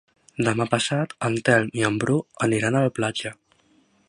Demà passat en Telm i en Bru aniran a la platja.